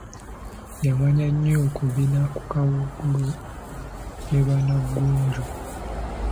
Yamanya nnyo okubina ku Kawuugulu ne Banna-ggunju.